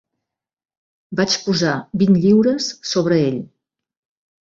Vaig posar vint lliures sobre ell.